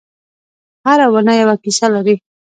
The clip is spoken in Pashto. هره ونه یوه کیسه لري.